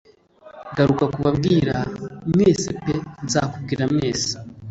Garuka kubabwira mwese pe nzakubwira mwese "-